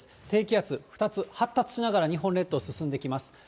低気圧、２つ発達しながら日本列島進んできます。